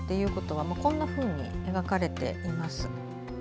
こんなふうに描かれています。